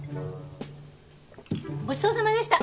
ごちそうさまでした。